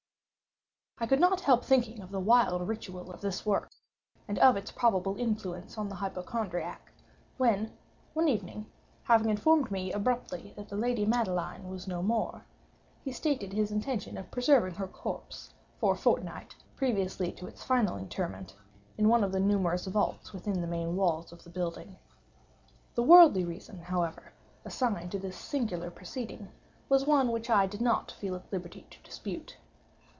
I could not help thinking of the wild ritual of this work, and of its probable influence upon the hypochondriac, when, one evening, having informed me abruptly that the lady Madeline was no more, he stated his intention of preserving her corpse for a fortnight, (previously to its final interment,) in one of the numerous vaults within the main walls of the building. The worldly reason, however, assigned for this singular proceeding, was one which I did not feel at liberty to dispute.